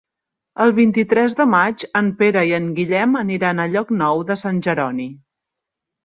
El vint-i-tres de maig en Pere i en Guillem aniran a Llocnou de Sant Jeroni.